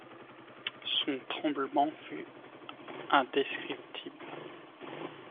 Son tremblement fut indescriptible.